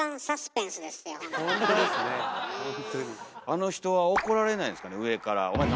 あの人は怒られないんですかね上から。